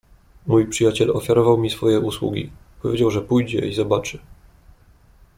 "Mój przyjaciel ofiarował mi swoje usługi, powiedział, że pójdzie i zobaczy."